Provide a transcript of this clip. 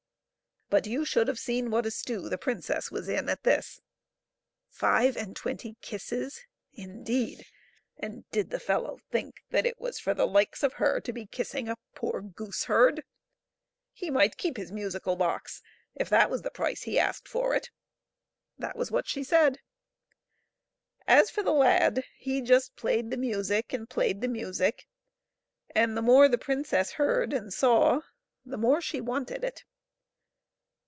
But you should have seen what a stew the princess was in at this! Five and twenty kisses, indeed ! And did the fellow think that it was for the likes of her to be kissing a poor gooseherd ? He might keep his musical box if that was the price he asked for it ; that was what she said. As for the lad, he just played the music and played the music, and the more the princess heard and saw the more she wanted it.